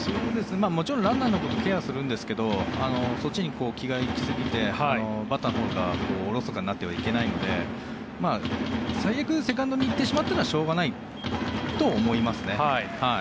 ランナーのことケアするんですがそっちに気が行きすぎてバッターのほうがおろそかになってはいけないので最悪セカンドに行ってしまったらしょうがないと思いますね。